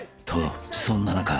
［とそんな中］